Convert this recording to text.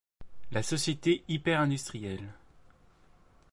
La Société hyper-industrielle.